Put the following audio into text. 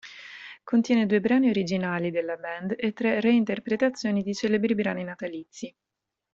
Contiene due brani originali della band e tre reinterpretazioni di celebri brani natalizi.